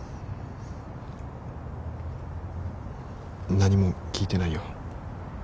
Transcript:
何も聞いてないよ